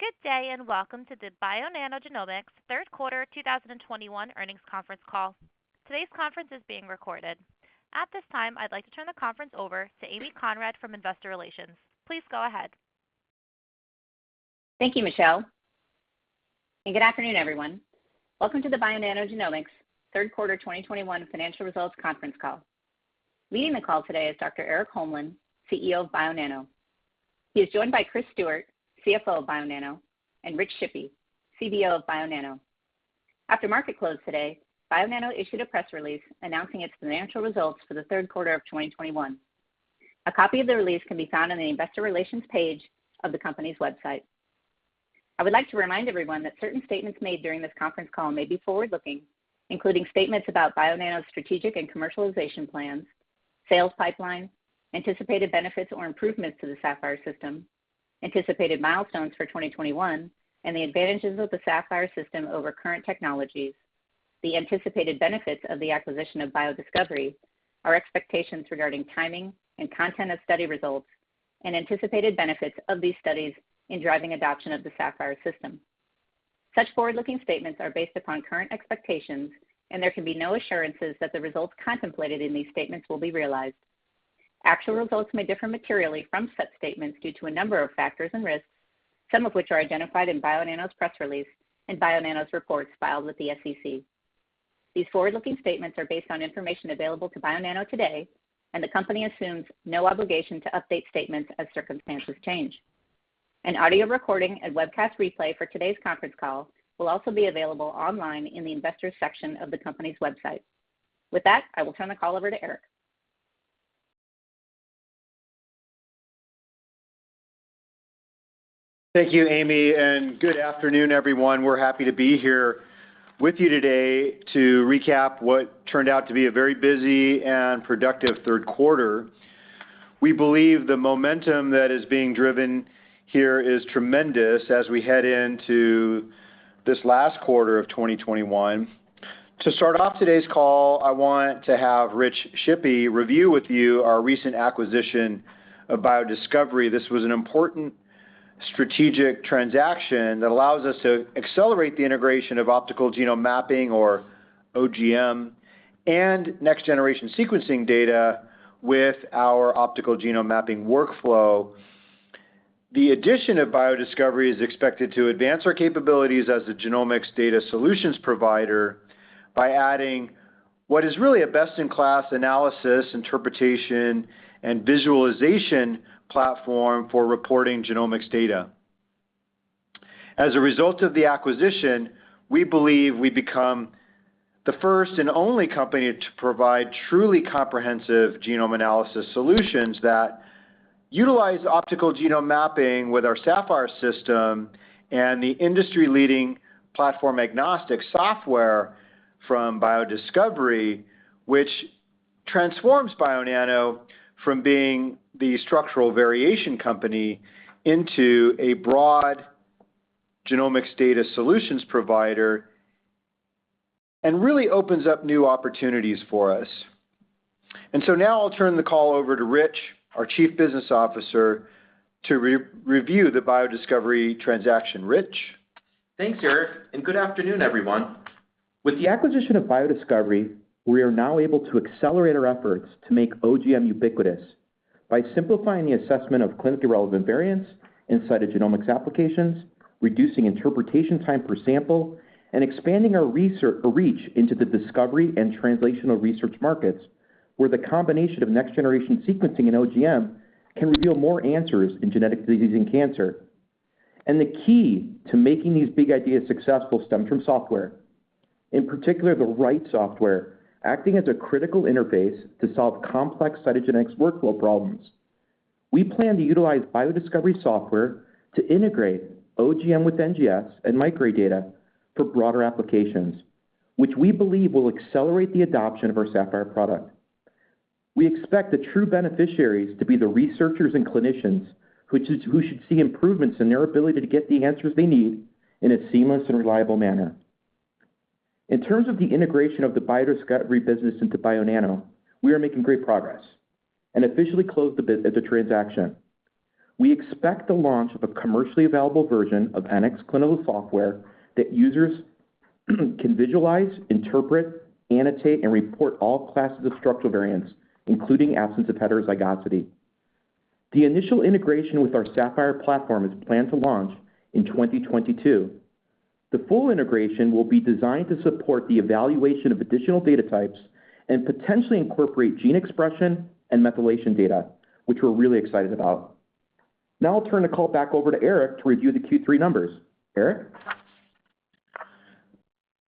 Good day, and welcome to the Bionano Genomics third quarter 2021 earnings conference call. Today's conference is being recorded. At this time, I'd like to turn the conference over to Amy Conrad from Investor Relations. Please go ahead. Thank you, Michelle, and good afternoon, everyone. Welcome to the Bionano Genomics third quarter 2021 financial results conference call. Leading the call today is Dr. Erik Holmlin, CEO of Bionano. He is joined by Chris Stewart, CFO of Bionano, and Rich Shippy, CBO of Bionano. After market close today, Bionano issued a press release announcing its financial results for the third quarter of 2021. A copy of the release can be found on the investor relations page of the company's website. I would like to remind everyone that certain statements made during this conference call may be forward-looking, including statements about Bionano's strategic and commercialization plans, sales pipeline, anticipated benefits or improvements to the Saphyr system, anticipated milestones for 2021, and the advantages of the Saphyr system over current technologies, the anticipated benefits of the acquisition of BioDiscovery, our expectations regarding timing and content of study results, and anticipated benefits of these studies in driving adoption of the Saphyr system. Such forward-looking statements are based upon current expectations, and there can be no assurances that the results contemplated in these statements will be realized. Actual results may differ materially from such statements due to a number of factors and risks, some of which are identified in Bionano's press release and Bionano's reports filed with the SEC. These forward-looking statements are based on information available to Bionano today, and the company assumes no obligation to update statements as circumstances change. An audio recording and webcast replay for today's conference call will also be available online in the investors section of the company's website. With that, I will turn the call over to Erik. Thank you, Amy, and good afternoon, everyone. We're happy to be here with you today to recap what turned out to be a very busy and productive third quarter. We believe the momentum that is being driven here is tremendous as we head into this last quarter of 2021. To start off today's call, I want to have Rich Shippy review with you our recent acquisition of BioDiscovery. This was an important strategic transaction that allows us to accelerate the integration of optical genome mapping or OGM and next-generation sequencing data with our optical genome mapping workflow. The addition of BioDiscovery is expected to advance our capabilities as a genomics data solutions provider by adding what is really a best-in-class analysis, interpretation, and visualization platform for reporting genomics data. As a result of the acquisition, we believe we become the first and only company to provide truly comprehensive genome analysis solutions that utilize optical genome mapping with our Saphyr system and the industry-leading platform agnostic software from BioDiscovery, which transforms Bionano from being the structural variation company into a broad genomics data solutions provider and really opens up new opportunities for us. Now I'll turn the call over to Rich, our Chief Business Officer, to re-review the BioDiscovery transaction. Rich? Thanks, Eric, and good afternoon, everyone. With the acquisition of BioDiscovery, we are now able to accelerate our efforts to make OGM ubiquitous by simplifying the assessment of clinically relevant variants inside of genomics applications, reducing interpretation time per sample, and expanding our research reach into the discovery and translational research markets, where the combination of next-generation sequencing in OGM can reveal more answers in genetic disease and cancer. The key to making these big ideas successful stem from software, in particular, the right software, acting as a critical interface to solve complex cytogenetics workflow problems. We plan to utilize BioDiscovery software to integrate OGM with NGS and microarray data for broader applications, which we believe will accelerate the adoption of our Saphyr product. We expect the true beneficiaries to be the researchers and clinicians, who should see improvements in their ability to get the answers they need in a seamless and reliable manner. In terms of the integration of the BioDiscovery business into Bionano, we are making great progress and officially closed the transaction. We expect the launch of a commercially available version of NxClinical that users can visualize, interpret, annotate, and report all classes of structural variants, including absence of heterozygosity. The initial integration with our Saphyr platform is planned to launch in 2022. The full integration will be designed to support the evaluation of additional data types and potentially incorporate gene expression and methylation data, which we're really excited about. Now, I'll turn the call back over to Erik to review the Q3 numbers. Erik?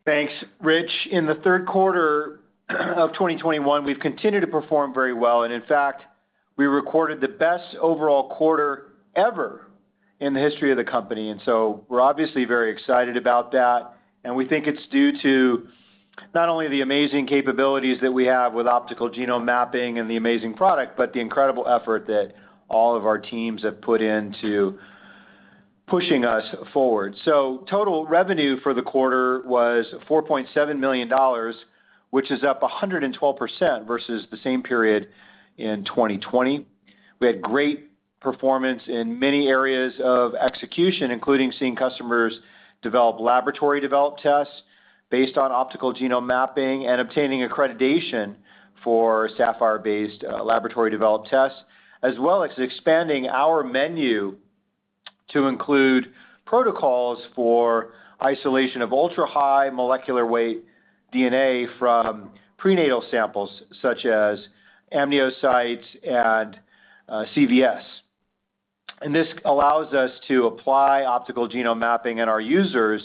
Thanks, Rich. In the third quarter of 2021, we've continued to perform very well, and in fact, we recorded the best overall quarter ever in the history of the company. We're obviously very excited about that, and we think it's due to not only the amazing capabilities that we have with optical genome mapping and the amazing product, but the incredible effort that all of our teams have put into pushing us forward. Total revenue for the quarter was $4.7 million, which is up 112% versus the same period in 2020. We had great performance in many areas of execution, including seeing customers develop laboratory developed tests based on optical genome mapping and obtaining accreditation for Saphyr-based laboratory developed tests, as well as expanding our menu to include protocols for isolation of ultra-high molecular weight DNA from prenatal samples such as amniocytes and CVS. This allows us to apply optical genome mapping and our users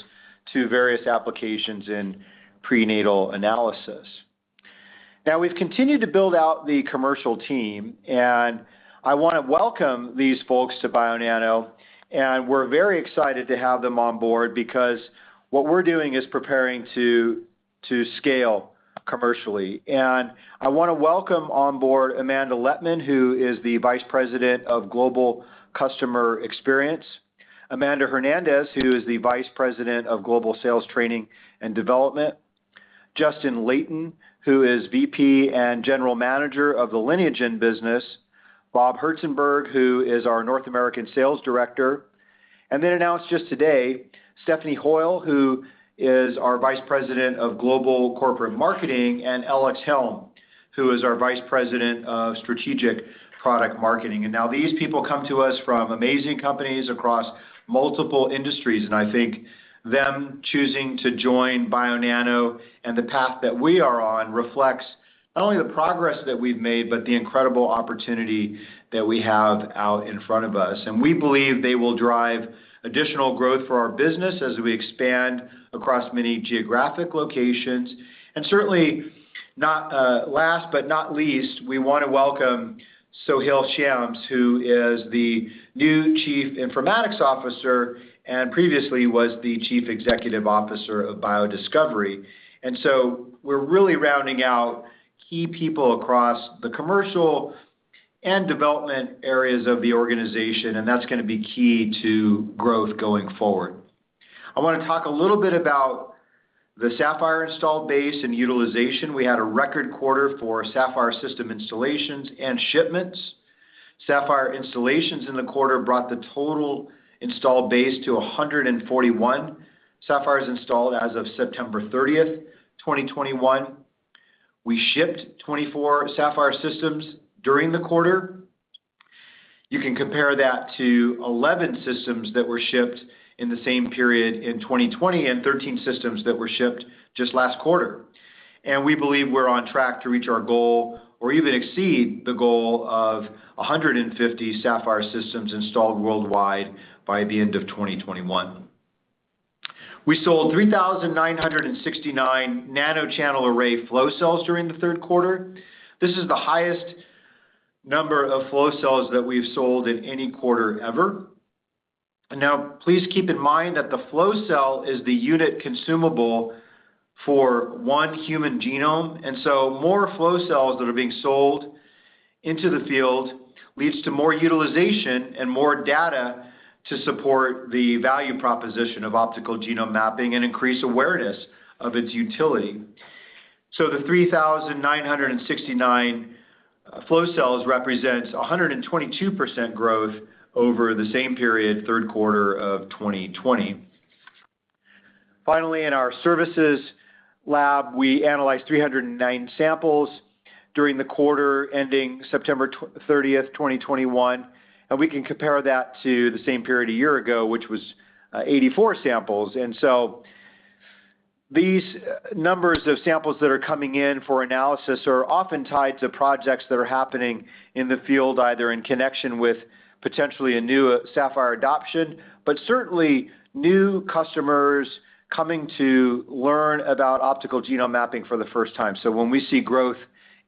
to various applications in prenatal analysis. Now, we've continued to build out the commercial team, and I wanna welcome these folks to Bionano, and we're very excited to have them on board because what we're doing is preparing to scale commercially. I wanna welcome on board Amanda Lettmann, who is the Vice President of Global Customer Experience, Amanda Hernandez, who is the Vice President of Global Sales Training and Development, Justin Leighton, who is VP and General Manager of the Lineagen business, Bob Hertsenberg, who is our North American Sales Director, and then announced just today, Stephanie Hoyle, who is our Vice President of Global Corporate Marketing, and Alex Helm, who is our Vice President of Strategic Product Marketing. Now these people come to us from amazing companies across multiple industries, and I thank them choosing to join Bionano and the path that we are on reflects not only the progress that we've made, but the incredible opportunity that we have out in front of us. We believe they will drive additional growth for our business as we expand across many geographic locations. Certainly, not last but not least, we want to welcome Soheil Shams, who is the new Chief Informatics Officer, and previously was the Chief Executive Officer of BioDiscovery. We're really rounding out key people across the commercial and development areas of the organization, and that's gonna be key to growth going forward. I wanna talk a little bit about the Saphyr install base and utilization. We had a record quarter for Saphyr system installations and shipments. Saphyr installations in the quarter brought the total install base to 141 Saphyr installed as of September 30th, 2021. We shipped 24 Saphyr systems during the quarter. You can compare that to 11 systems that were shipped in the same period in 2020 and 13 systems that were shipped just last quarter. We believe we're on track to reach our goal or even exceed the goal of 150 Saphyr systems installed worldwide by the end of 2021. We sold 3,969 nanochannel array flow cells during the third quarter. This is the highest number of flow cells that we've sold in any quarter ever. Now, please keep in mind that the flow cell is the unit consumable for one human genome, and more flow cells that are being sold into the field leads to more utilization and more data to support the value proposition of optical genome mapping and increase awareness of its utility. The 3,969 flow cells represents 122% growth over the same period, third quarter of 2020. Finally, in our services lab, we analyzed 309 samples during the quarter ending September 30th, 2021, and we can compare that to the same period a year ago, which was 84 samples. These numbers of samples that are coming in for analysis are often tied to projects that are happening in the field, either in connection with potentially a new Saphyr adoption, but certainly new customers coming to learn about optical genome mapping for the first time. When we see growth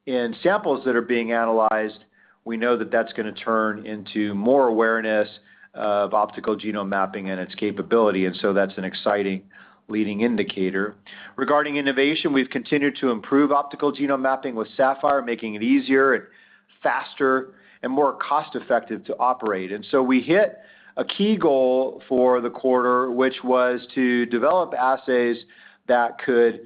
in samples that are being analyzed, we know that that's gonna turn into more awareness of optical genome mapping and its capability, and so that's an exciting leading indicator. Regarding innovation, we've continued to improve optical genome mapping with Saphyr, making it easier and faster and more cost-effective to operate. We hit a key goal for the quarter, which was to develop assays that could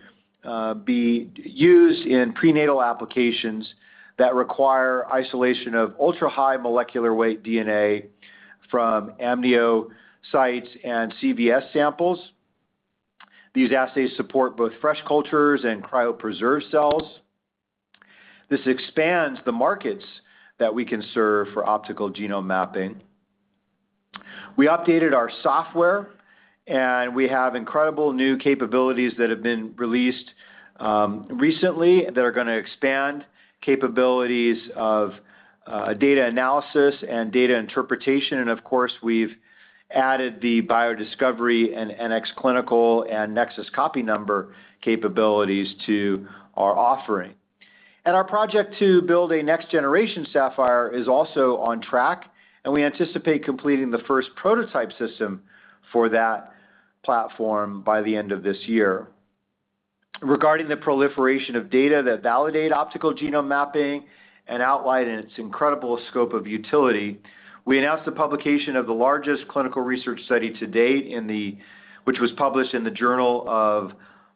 be used in prenatal applications that require isolation of ultra-high molecular weight DNA from amniocytes and CVS samples. These assays support both fresh cultures and cryopreserved cells. This expands the markets that we can serve for optical genome mapping. We updated our software, and we have incredible new capabilities that have been released recently that are gonna expand capabilities of data analysis and data interpretation, and of course, we've added the BioDiscovery and NxClinical and Nexus Copy Number capabilities to our offering. Our project to build a next-generation Saphyr is also on track, and we anticipate completing the first prototype system for that platform by the end of this year. Regarding the proliferation of data that validate optical genome mapping and outline its incredible scope of utility, we announced the publication of the largest clinical research study to date, which was published in the Journal of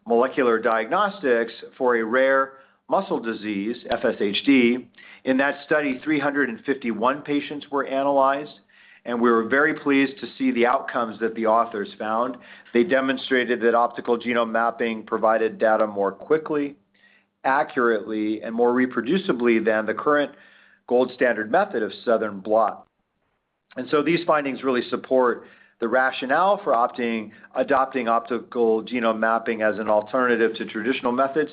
Molecular Diagnostics for a rare muscle disease, FSHD. In that study, 351 patients were analyzed, and we were very pleased to see the outcomes that the authors found. They demonstrated that optical genome mapping provided data more quickly, accurately, and more reproducibly than the current gold standard method of Southern blot. These findings really support the rationale for adopting optical genome mapping as an alternative to traditional methods,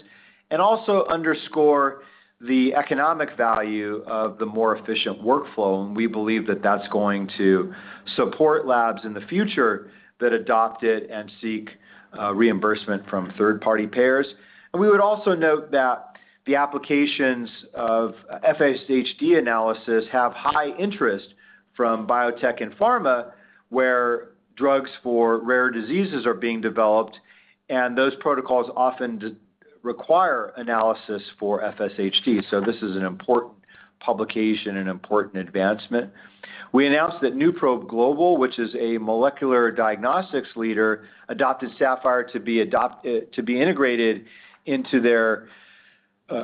and also underscore the economic value of the more efficient workflow, and we believe that that's going to support labs in the future that adopt it and seek reimbursement from third-party payers. We would also note that the applications of FSHD analysis have high interest from biotech and pharma, where drugs for rare diseases are being developed, and those protocols often require analysis for FSHD. This is an important publication, an important advancement. We announced that NuProbe Global, which is a molecular diagnostics leader, adopted Saphyr to be integrated into their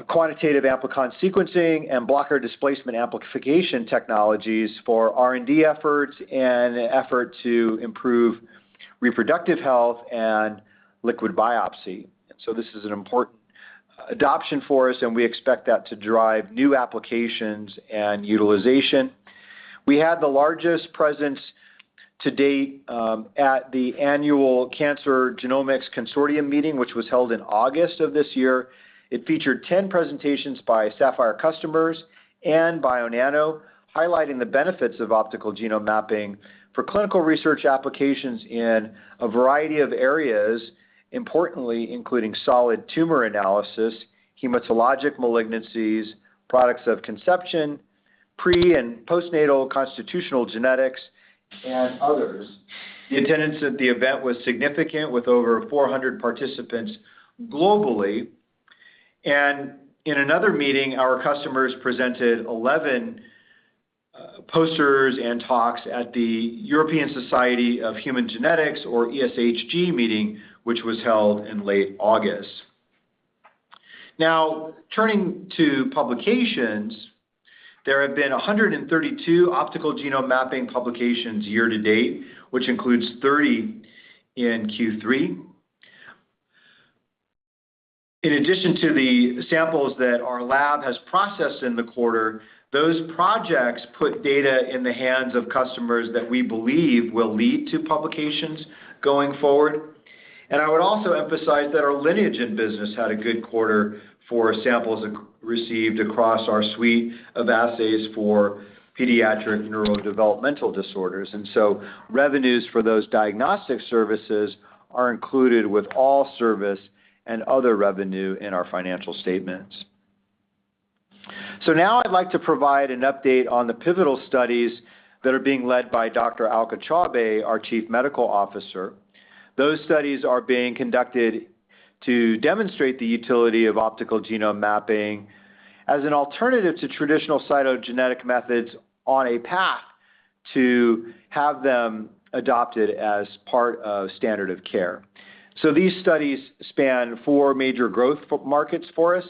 quantitative amplicon sequencing and blocker displacement amplification technologies for R&D efforts and an effort to improve reproductive health and liquid biopsy. This is an important adoption for us, and we expect that to drive new applications and utilization. We had the largest presence to date at the annual Cancer Genomics Consortium meeting, which was held in August of this year. It featured 10 presentations by Saphyr customers and BioNano, highlighting the benefits of optical genome mapping for clinical research applications in a variety of areas, importantly including solid tumor analysis, hematologic malignancies, products of conception, pre and postnatal constitutional genetics, and others. The attendance at the event was significant, with over 400 participants globally. In another meeting, our customers presented 11 posters and talks at the European Society of Human Genetics, or ESHG meeting, which was held in late August. Now turning to publications, there have been 132 optical genome mapping publications year-to-date, which includes 30 in Q3. In addition to the samples that our lab has processed in the quarter, those projects put data in the hands of customers that we believe will lead to publications going forward. I would also emphasize that our Lineagen business had a good quarter for samples received across our suite of assays for pediatric neurodevelopmental disorders. Revenues for those diagnostic services are included with all service and other revenue in our financial statements. Now I'd like to provide an update on the pivotal studies that are being led by Dr. Alka Chaubey, our Chief Medical Officer. Those studies are being conducted to demonstrate the utility of optical genome mapping as an alternative to traditional cytogenetic methods on a path to have them adopted as part of standard of care. These studies span four major growth markets for us,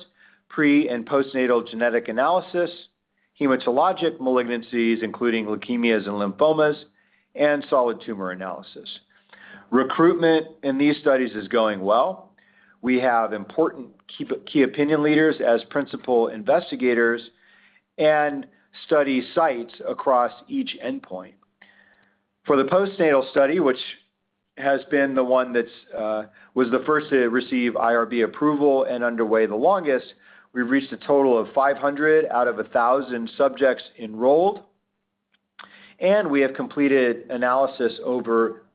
pre and postnatal genetic analysis, hematologic malignancies, including leukemias and lymphomas, and solid tumor analysis. Recruitment in these studies is going well. We have important key opinion leaders as principal investigators and study sites across each end-point. For the postnatal study, which has been the one that's was the first to receive IRB approval and underway the longest, we've reached a total of 500 out of 1000 subjects enrolled, and we have completed analysis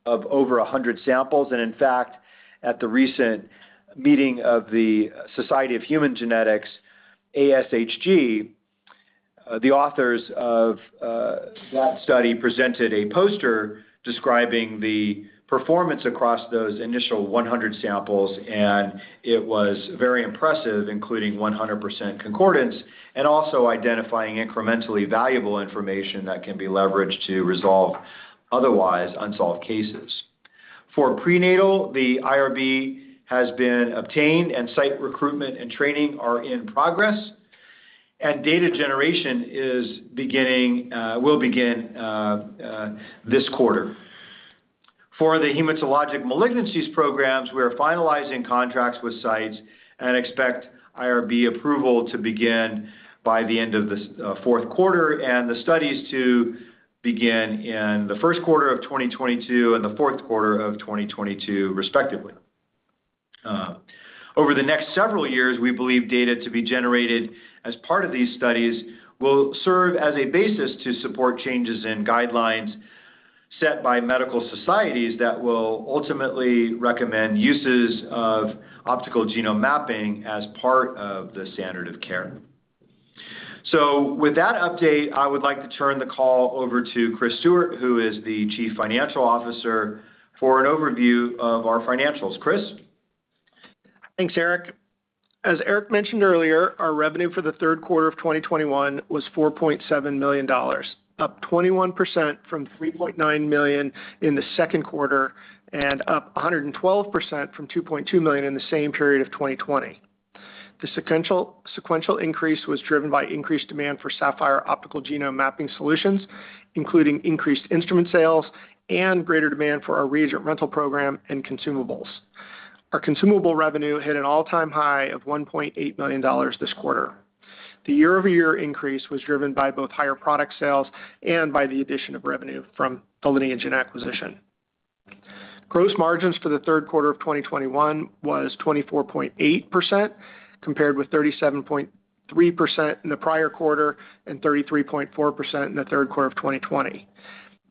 of over 100 samples. In fact, at the recent meeting of the Society of Human Genetics, ASHG, the authors of that study presented a poster describing the performance across those initial 100 samples, and it was very impressive, including 100% concordance and also identifying incrementally valuable information that can be leveraged to resolve otherwise unsolved cases. For prenatal, the IRB has been obtained, and site recruitment and training are in progress, and data generation is beginning, will begin this quarter. For the hematologic malignancies programs, we are finalizing contracts with sites and expect IRB approval to begin by the end of the fourth quarter and the studies to begin in the first quarter of 2022 and the fourth quarter of 2022, respectively. Over the next several years, we believe data to be generated as part of these studies will serve as a basis to support changes in guidelines set by medical societies that will ultimately recommend uses of optical genome mapping as part of the standard of care. With that update, I would like to turn the call over to Chris Stewart, who is the Chief Financial Officer, for an overview of our financials. Chris. Thanks, Erik. As Erik mentioned earlier, our revenue for the third quarter of 2021 was $4.7 million, up 21% from $3.9 million in the second quarter and up 112% from $2.2 million in the same period of 2020. The sequential increase was driven by increased demand for Saphyr optical genome mapping solutions, including increased instrument sales and greater demand for our reagent rental program and consumables. Our consumable revenue hit an all-time high of $1.8 million this quarter. The year-over-year increase was driven by both higher product sales and by the addition of revenue from the Lineagen acquisition. Gross margins for the third quarter of 2021 was 24.8%, compared with 37.3% in the prior quarter and 33.4% in the third quarter of 2020.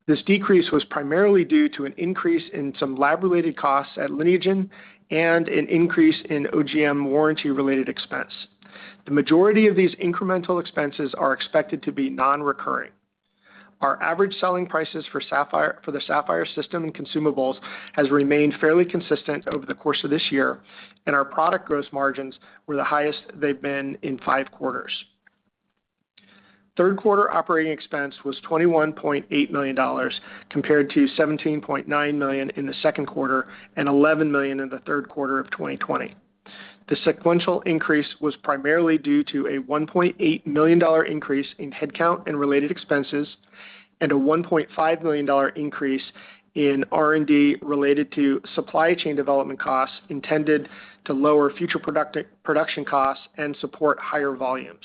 This decrease was primarily due to an increase in some lab-related costs at Lineagen and an increase in OGM warranty-related expense. The majority of these incremental expenses are expected to be non-recurring. Our average selling prices for Saphyr for the Saphyr system and consumables has remained fairly consistent over the course of this year, and our product gross margins were the highest they've been in five quarters. Third quarter operating expense was $21.8 million compared to $17.9 million in the second quarter and $11 million in the third quarter of 2020. The sequential increase was primarily due to a $1.8 million increase in headcount and related expenses and a $1.5 million increase in R&D related to supply chain development costs intended to lower future production costs and support higher volumes.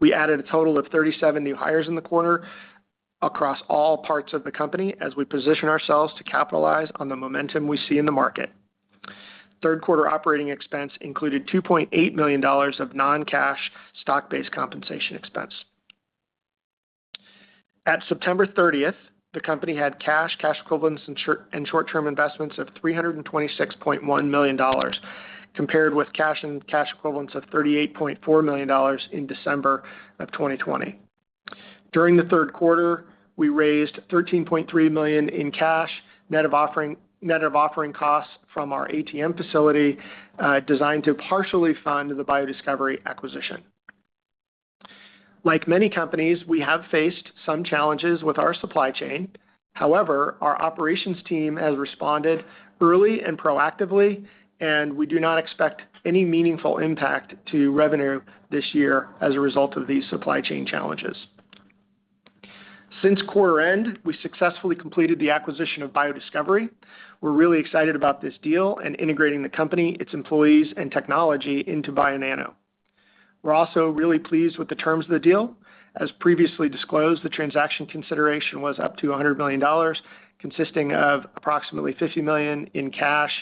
We added a total of 37 new hires in the quarter across all parts of the company as we position ourselves to capitalize on the momentum we see in the market. Third quarter operating expense included $2.8 million of non-cash stock-based compensation expense. At September 30th, the company had cash equivalents, and short-term investments of $326.1 million, compared with cash and cash equivalents of $38.4 million in December of 2020. During the third quarter, we raised $13.3 million in cash, net of offering, net of offering costs from our ATM facility, designed to partially fund the BioDiscovery acquisition. Like many companies, we have faced some challenges with our supply chain. However, our operations team has responded early and proactively, and we do not expect any meaningful impact to revenue this year as a result of these supply chain challenges. Since quarter-end, we successfully completed the acquisition of BioDiscovery. We're really excited about this deal and integrating the company, its employees, and technology into Bionano. We're also really pleased with the terms of the deal. As previously disclosed, the transaction consideration was up to $100 million, consisting of approximately $50 million in cash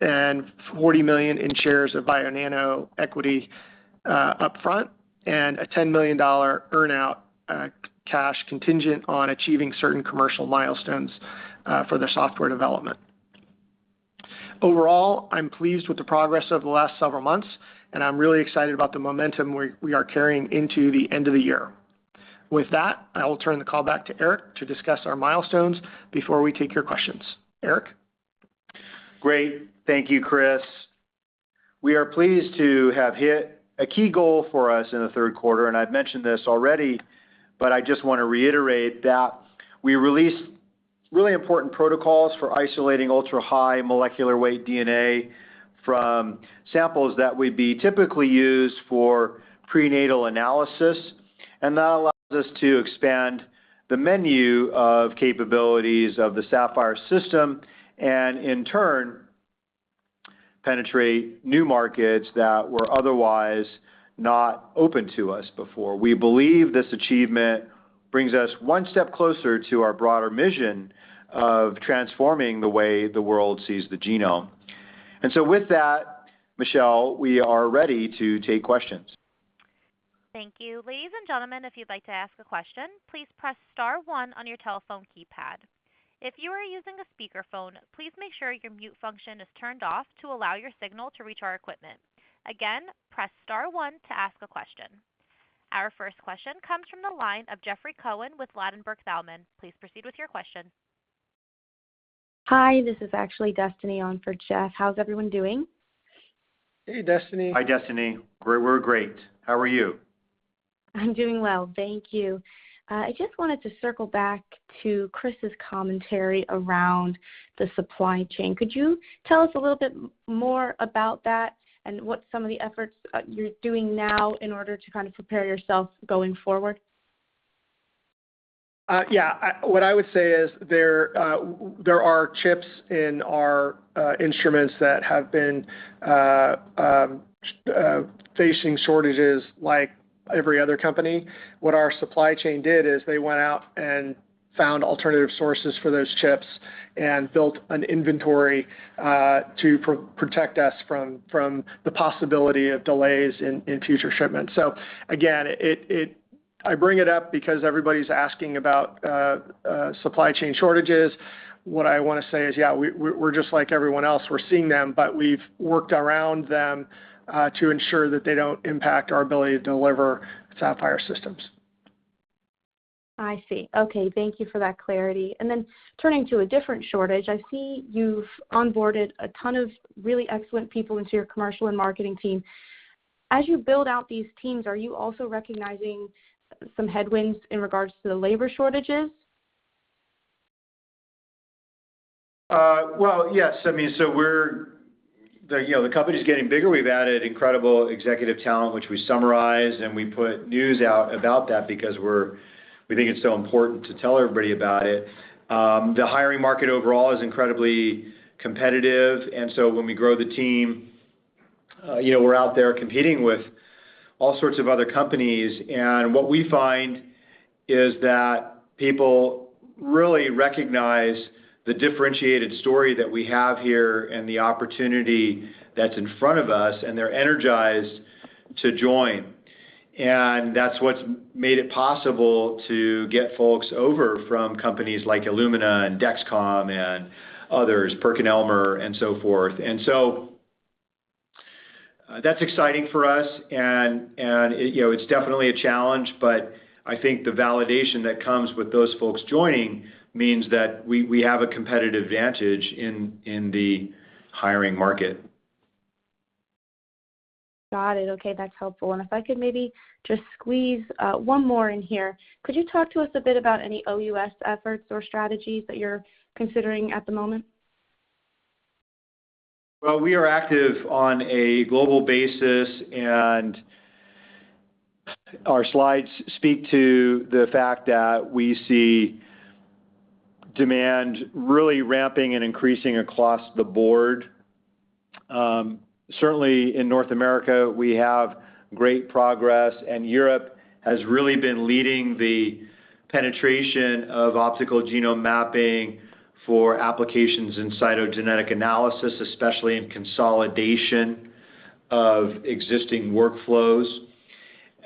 and $40 million in shares of Bionano equity upfront, and a $10 million earn-out cash contingent on achieving certain commercial milestones for their software development. Overall, I'm pleased with the progress over the last several months, and I'm really excited about the momentum we are carrying into the end of the year. With that, I will turn the call back to Erik to discuss our milestones before we take your questions. Eric? Great. Thank you, Chris. We are pleased to have hit a key goal for us in the third quarter, and I've mentioned this already, but I just wanna reiterate that we released really important protocols for isolating ultra-high molecular weight DNA from samples that would be typically used for prenatal analysis. That allows us to expand the menu of capabilities of the Saphyr system and, in turn, penetrate new markets that were otherwise not open to us before. We believe this achievement brings us one step closer to our broader mission of transforming the way the world sees the genome. With that, Michelle, we are ready to take questions. Thank you. Ladies and gentlemen, if you'd like to ask a question, please press star one on your telephone keypad. If you are using a speakerphone, please make sure your mute function is turned off to allow your signal to reach our equipment. Again, press star one to ask a question. Our first question comes from the line of Jeffrey Cohen with Ladenburg Thalmann. Please proceed with your question. Hi, this is actually Destiny on for Jeff. How's everyone doing? Hey, Destiny. Hi, Destiny. We're great. How are you? I'm doing well. Thank you. I just wanted to circle back to Chris' commentary around the supply chain. Could you tell us a little bit more about that and what some of the efforts you're doing now in order to kind of prepare yourself going forward? What I would say is there are chips in our instruments that have been facing shortages like every other company. What our supply chain did is they went out and found alternative sources for those chips and built an inventory to protect us from the possibility of delays in future shipments. Again, I bring it up because everybody's asking about supply chain shortages. What I wanna say is, yeah, we're just like everyone else. We're seeing them, but we've worked around them to ensure that they don't impact our ability to deliver Saphyr systems. I see. Okay. Thank you for that clarity. Turning to a different shortage, I see you've onboarded a ton of really excellent people into your commercial and marketing team. As you build out these teams, are you also recognizing some headwinds in regards to the labor shortages? Well, yes. I mean, you know, the company's getting bigger. We've added incredible executive talent, which we summarize, and we put news out about that because we think it's so important to tell everybody about it. The hiring market overall is incredibly competitive. When we grow the team, you know, we're out there competing with all sorts of other companies. What we find is that people really recognize the differentiated story that we have here and the opportunity that's in front of us, and they're energized to join. That's what's made it possible to get folks over from companies like Illumina and Dexcom and others, PerkinElmer and so forth. That's exciting for us and, you know, it's definitely a challenge, but I think the validation that comes with those folks joining means that we have a competitive advantage in the hiring market. Got it. Okay, that's helpful. If I could maybe just squeeze one more in here. Could you talk to us a bit about any OUS efforts or strategies that you're considering at the moment? We are active on a global basis, and our slides speak to the fact that we see demand really ramping and increasing across the board. Certainly in North America, we have great progress, and Europe has really been leading the penetration of optical genome mapping for applications in cytogenetic analysis, especially in consolidation of existing workflows.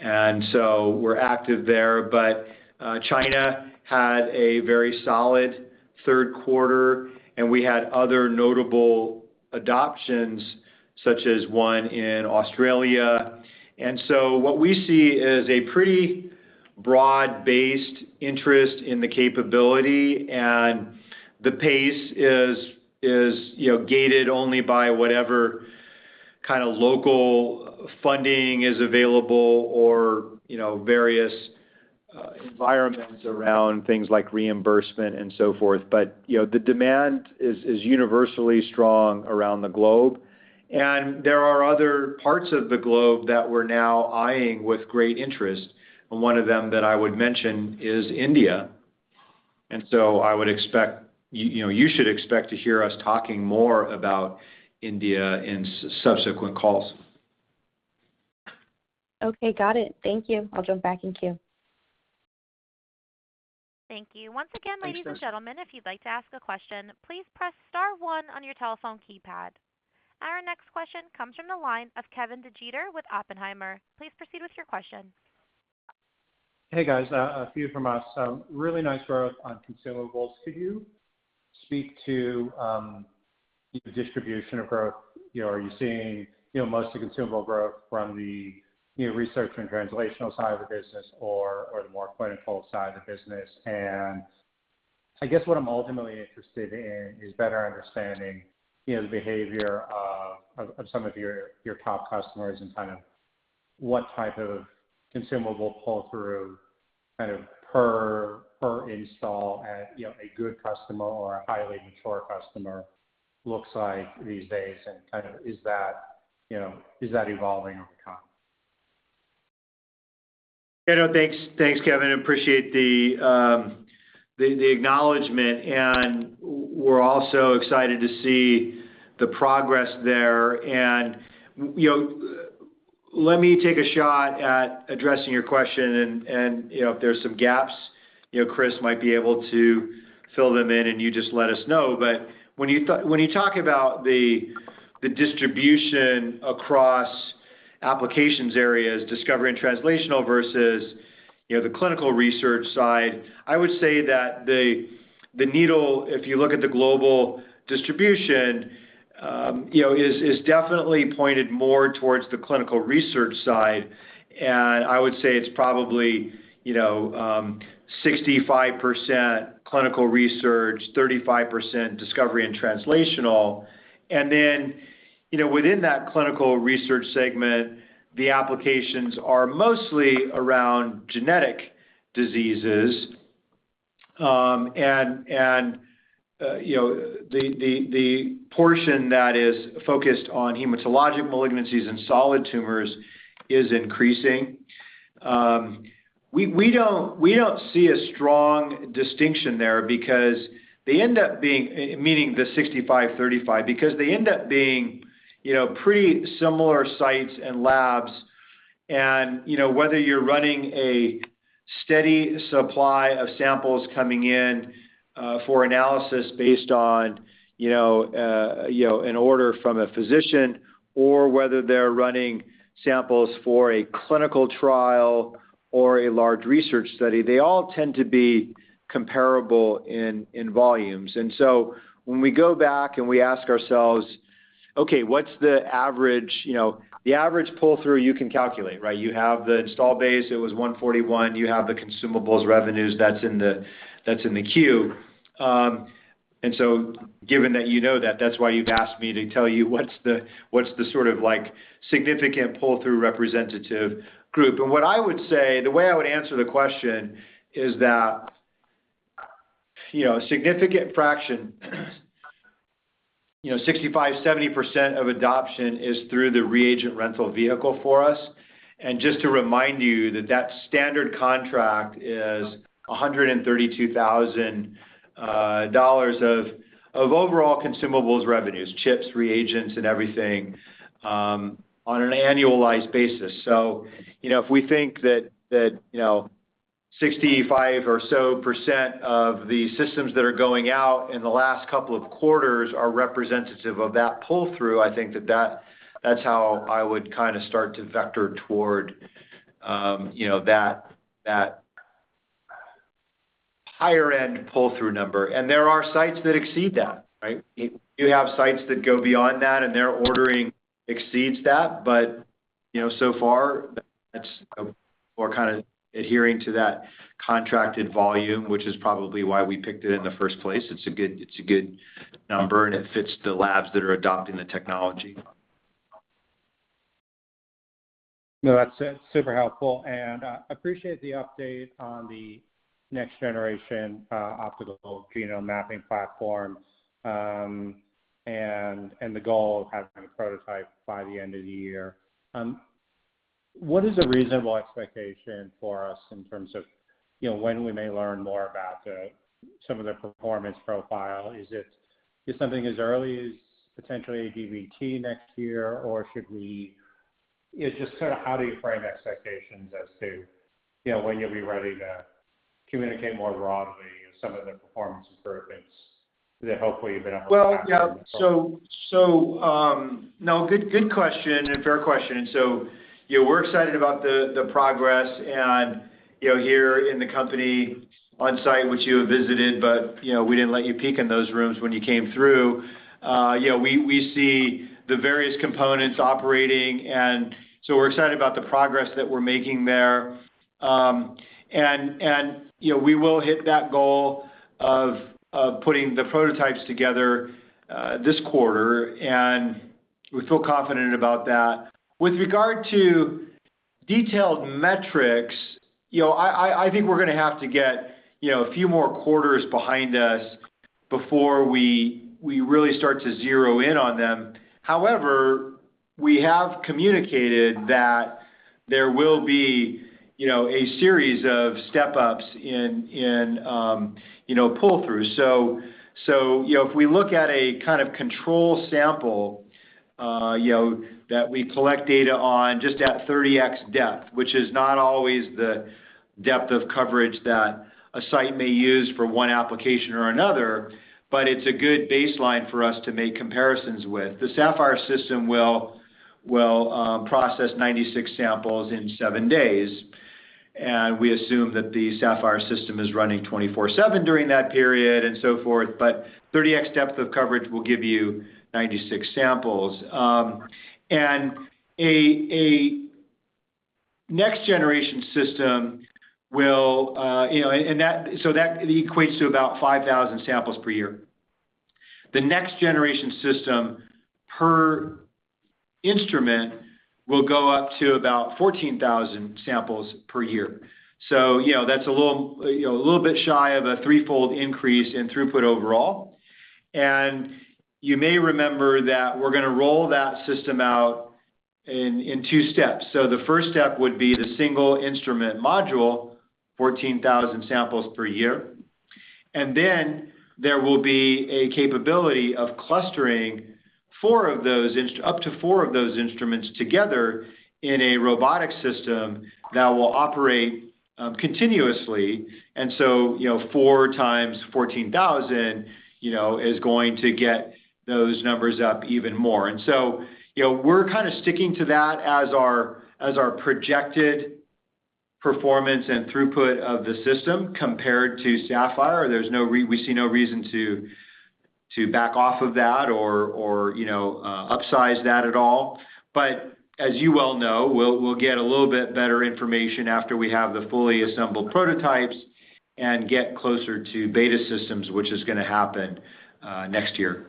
We're active there. China had a very solid third quarter, and we had other notable adoptions, such as one in Australia. What we see is a pretty broad-based interest in the capability, and the pace is, you know, gated only by whatever kind of local funding is available or, you know, various environments around things like reimbursement and so forth. You know, the demand is universally strong around the globe. There are other parts of the globe that we're now eyeing with great interest, and one of them that I would mention is India. I would expect. You know, you should expect to hear us talking more about India in subsequent calls. Okay, got it. Thank you. I'll jump back in queue. Thank you. Once again, ladies and gentlemen, if you'd like to ask a question, please press star one on your telephone keypad. Our next question comes from the line of Kevin DeGeeter with Oppenheimer. Please proceed with your question. Hey, guys, a few from us. Really nice growth on consumables. Could you speak to the distribution of growth? You know, are you seeing, you know, most of the consumable growth from the, you know, research and translational side of the business or the more clinical side of the business? I guess what I'm ultimately interested in is better understanding, you know, the behavior of some of your top customers and kind of what type of consumable pull-through, kind of per install at, you know, a good customer or a highly mature customer looks like these days, and kind of is that, you know, is that evolving over time? You know, thanks. Thanks, Kevin. Appreciate the acknowledgment, and we're also excited to see the progress there. You know, let me take a shot at addressing your question and, you know, if there's some gaps, you know, Chris might be able to fill them in, and you just let us know. But when you talk about the distribution across applications areas, discovery and translational versus, you know, the clinical research side, I would say that the needle, if you look at the global distribution, you know, is definitely pointed more towards the clinical research side. I would say it's probably, you know, 65% clinical research, 35% discovery and translational. You know, within that clinical research segment, the applications are mostly around genetic diseases. You know, the portion that is focused on hematologic malignancies and solid tumors is increasing. We don't see a strong distinction there because they end up being. Meaning the 65-35, because they end up being, you know, pretty similar sites and labs and, you know, whether you're running a steady supply of samples coming in for analysis based on, you know, an order from a physician or whether they're running samples for a clinical trial or a large research study, they all tend to be comparable in volumes. When we go back and we ask ourselves, "Okay, what's the average?" You know, the average pull-through you can calculate, right? You have the installed base, it was 141. You have the consumables revenues that's in the queue. Given that you know that's why you've asked me to tell you what's the sort of like significant pull-through representative group. What I would say, the way I would answer the question is that you know, a significant fraction, you know, 65%-70% of adoption is through the reagent rental vehicle for us. Just to remind you that the standard contract is $132,000 of overall consumables revenues, chips, reagents, and everything, on an annualized basis. You know, if we think that you know, 65% or so of the systems that are going out in the last couple of quarters are representative of that pull-through, I think that that's how I would kind of start to vector toward you know, that higher end pull-through number. There are sites that exceed that, right? You have sites that go beyond that, and their ordering exceeds that. You know, so far that's. We're kind of adhering to that contracted volume, which is probably why we picked it in the first place. It's a good number, and it fits the labs that are adopting the technology. No, that's super helpful, and appreciate the update on the next generation optical genome mapping platform, and the goal of having a prototype by the end of the year. What is a reasonable expectation for us in terms of, you know, when we may learn more about some of the performance profile? Is it something as early as potentially a DVT next year? Or should we? Yeah, just sort of how do you frame expectations as to, you know, when you'll be ready to communicate more broadly some of the performance improvements that hopefully you've been able to capture? Well, yeah. No, good question and a fair question. You know, we're excited about the progress and, you know, here in the company on-site, which you have visited, but, you know, we didn't let you peek in those rooms when you came through. You know, we see the various components operating, and we're excited about the progress that we're making there. You know, we will hit that goal of putting the prototypes together this quarter, and we feel confident about that. With regard to detailed metrics, you know, I think we're gonna have to get a few more quarters behind us before we really start to zero in on them. However, we have communicated that there will be a series of step-ups in pull-through. You know, if we look at a kind of control sample, you know, that we collect data on just at 30X depth, which is not always the depth of coverage that a site may use for one application or another, but it's a good baseline for us to make comparisons with. The Saphyr system will process 96 samples in seven days, and we assume that the Saphyr system is running 24/7 during that period and so forth, but 30X depth of coverage will give you 96 samples. A next generation system will, you know, so that equates to about 5,000 samples per year. The next generation system per instrument will go up to about 14,000 samples per year. You know, that's a little bit shy of a threefold increase in throughput overall. You may remember that we're gonna roll that system out in two steps. The first step would be the single instrument module, 14,000 samples per year. Then there will be a capability of clustering up to four of those instruments together in a robotic system that will operate continuously. You know, four times 14,000 is going to get those numbers up even more. You know, we're kind of sticking to that as our projected performance and throughput of the system compared to Saphyr. There's no reason to back off of that or upsize that at all. As you well know, we'll get a little bit better information after we have the fully assembled prototypes and get closer to beta systems, which is gonna happen next year.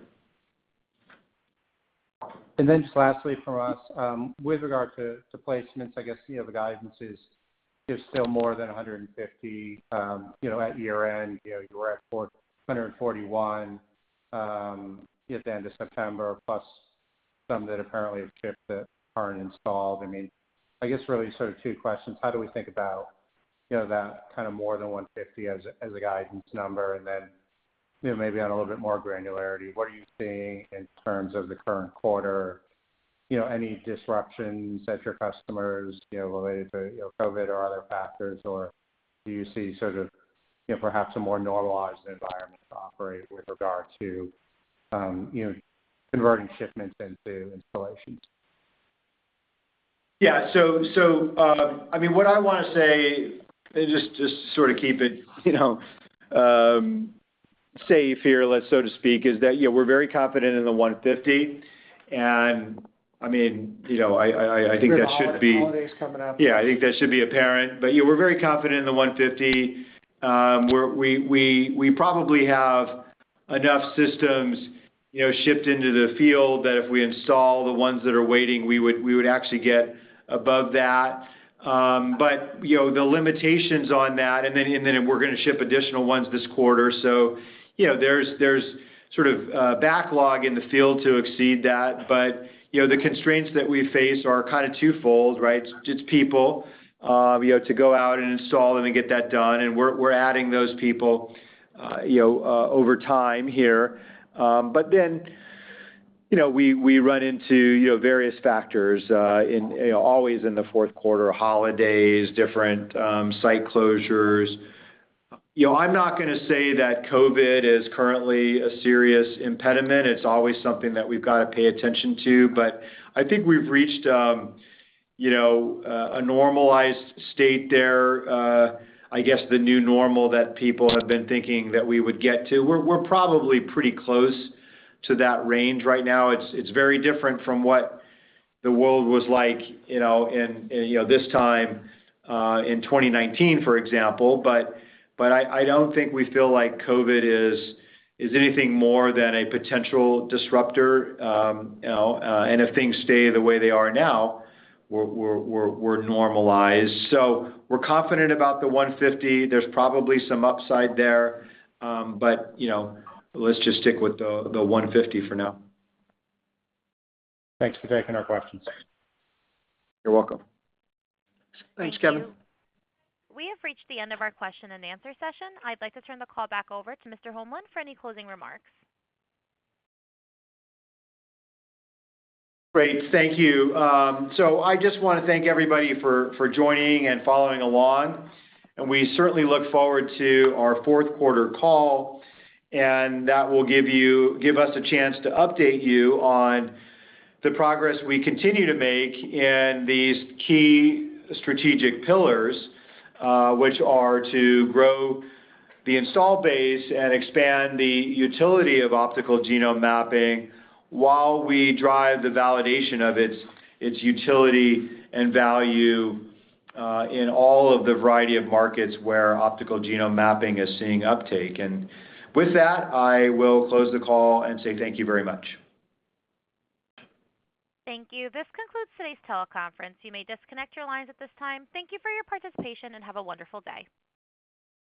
Just lastly from us, with regard to placements, I guess, you know, the guidance is still more than 150, you know, at year-end. You know, you were at 141, you know, at the end of September, plus some that apparently have shipped that aren't installed. I mean, I guess really sort of two questions. How do we think about, you know, that kind of more than 150 as a guidance number? Then, you know, maybe on a little bit more granularity, what are you seeing in terms of the current quarter, you know, any disruptions at your customers, you know, related to, you know, COVID or other factors, or do you see sort of, you know, perhaps a more normalized environment to operate with regard to, you know, converting shipments into installations? Yeah. I mean, what I wanna say, and just to sort of keep it, you know, safe here, so to speak, is that, you know, we're very confident in the $150 and, I mean, you know, I think that should be- With holidays coming up. Yeah, I think that should be apparent. Yeah, we're very confident in the $150. We're probably have enough systems, you know, shipped into the field that if we install the ones that are waiting, we would actually get above that. You know, the limitations on that and then we're gonna ship additional ones this quarter. You know, there's sort of backlog in the field to exceed that. You know, the constraints that we face are kind of twofold, right? It's people, you know, to go out and install and then get that done, and we're adding those people, you know, over time here. You know, we run into, you know, various factors, uh, in, you know, always in the fourth quarter, holidays, different site closures. You know, I'm not gonna say that COVID is currently a serious impediment. It's always something that we've got to pay attention to, but I think we've reached, you know, a normalized state there, I guess the new normal that people have been thinking that we would get to. We're probably pretty close to that range right now. It's very different from what the world was like, you know, in this time in 2019, for example. I don't think we feel like COVID is anything more than a potential disruptor, you know. If things stay the way they are now, we're normalized. We're confident about the $150. There's probably some upside there, but you know, let's just stick with the $150 for now. Thanks for taking our questions. You're welcome. Thanks, Kevin. We have reached the end of our question-and-answer session. I'd like to turn the call back over to Mr. Holmlin for any closing remarks. Great. Thank you. I just wanna thank everybody for joining and following along, and we certainly look forward to our fourth-quarter call, and that will give us a chance to update you on the progress we continue to make in these key strategic pillars, which are to grow the install base and expand the utility of optical genome mapping while we drive the validation of its utility and value in all of the variety of markets where optical genome mapping is seeing uptake. With that, I will close the call and say thank you very much. Thank you. This concludes today's teleconference. You may disconnect your lines at this time. Thank you for your participation, and have a wonderful day.